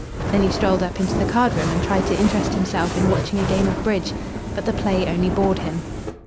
Then he strolled up into the cardroom and tried to interest himself in watching a game of bridge. But the play only bored him.